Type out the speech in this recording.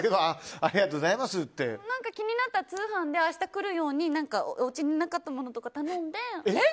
気になった通販で明日来るようにうちになかったものとかを頼んで。